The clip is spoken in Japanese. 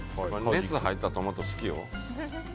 熱入ったトマト好きよ。